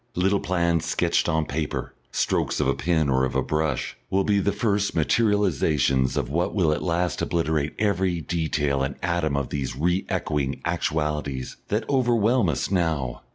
Little plans sketched on paper, strokes of a pen or of a brush, will be the first materialisations of what will at last obliterate every detail and atom of these re echoing actualities that overwhelm us now.